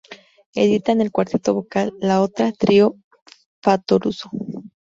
Editan al cuarteto vocal La Otra, Trío Fattoruso.